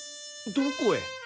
どこへ？